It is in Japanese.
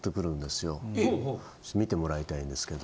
見てもらいたいんですけど。